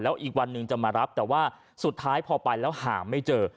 อีกวันหนึ่งจะมารับแต่ว่าสุดท้ายพอไปแล้วหาไม่เจอ